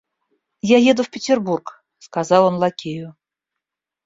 Я еду в Петербург, — сказал он лакею.